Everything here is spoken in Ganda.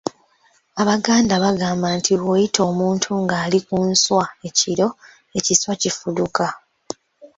Abaganda bagamba nti bw’oyita omuntu ng’ali ku nswa ekiro, ekiswa kifuluka.